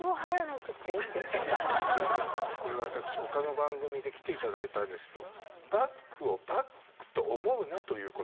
これ私他の番組で来ていただいたんですけど。